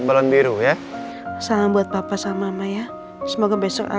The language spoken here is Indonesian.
yaudah kamu sekarang istirahat ya